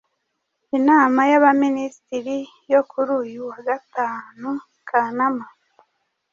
Inama y’ abaminisitiri yo kuri uyu wa gatanu Kanama